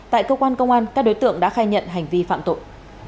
tại cơ quan công an các đối tượng đã khai nhận hành vi phạm tội